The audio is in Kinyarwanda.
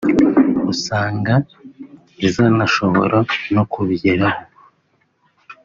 usanga izanashobora no kubigeraho